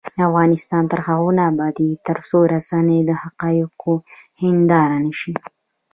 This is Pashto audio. افغانستان تر هغو نه ابادیږي، ترڅو رسنۍ د حقایقو هنداره نشي.